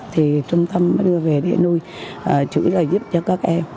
thì trung tâm mới đưa về để nuôi chủ yếu là giúp cho các em